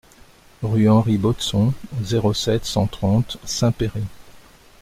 Rue Henri Baudson, zéro sept, cent trente Saint-Péray